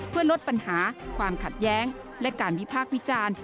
เพื่อลดปัญหาความขัดแย้งและการวิพากษ์วิจารณ์